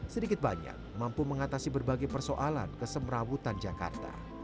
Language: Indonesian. sedikit banyak mampu mengatasi berbagai persoalan kesemrawutan jakarta